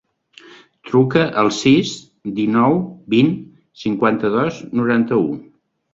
Truca al sis, dinou, vint, cinquanta-dos, noranta-u.